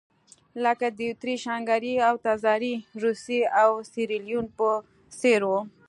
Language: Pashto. لکه د اتریش-هنګري او تزاري روسیې او سیریلیون په څېر وو.